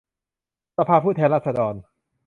สภาผู้แทนราษฏร